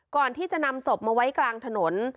ก่อนที่จะนำศพมาไว้กลางถนน